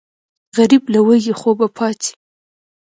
غریب له وږي خوبه پاڅي